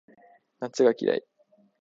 夏が嫌い